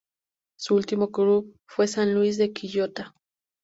Su último club fue San Luis de Quillota.